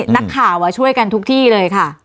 นักข่าวช่วยกันทุกที่เลยค่ะ